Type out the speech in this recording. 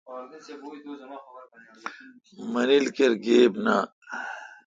مانیل کیر گیب نان۔